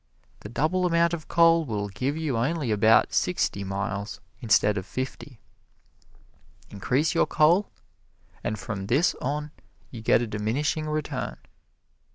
The double amount of coal will give you only about sixty miles instead of fifty. Increase your coal and from this on you get a Diminishing Return.